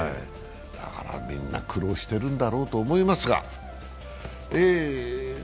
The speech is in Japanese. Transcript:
みんな苦労してるんだろうと思いますが。